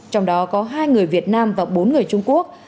trong đó có hai người việt nam và bốn người trung quốc